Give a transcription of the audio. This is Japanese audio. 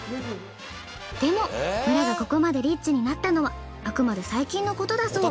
でも村がここまでリッチになったのはあくまで最近のことだそう。